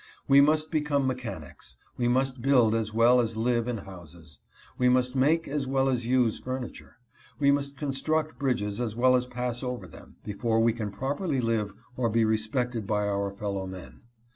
We must become mechanics; we must build as well as live in houses; we must make as well as use furniture; we must construct bridges as well as pass over them, before we can properly live or be respected by our fellow men.